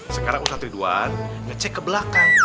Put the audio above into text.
sekarang ustadz ridwan ngecek ke belakang